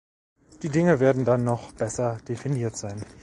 Die Dinge werden dann noch besser definiert sein.